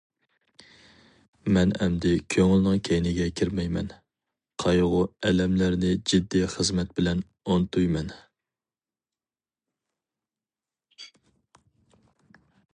مەن ئەمدى كۆڭۈلنىڭ كەينىگە كىرمەيمەن، قايغۇ- ئەلەملەرنى جىددىي خىزمەت بىلەن ئۇنتۇيمەن.